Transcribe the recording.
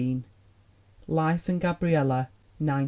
Life and Gabriella, 1916.